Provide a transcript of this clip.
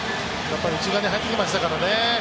内側に入ってきましたからね。